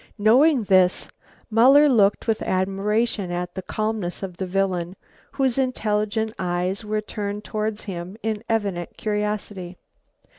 Knowing this, Muller looked with admiration at the calmness of the villain, whose intelligent eyes were turned towards him in evident curiosity.